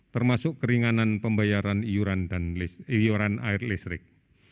termasuk keringanan pembayaran dan iuran air listrik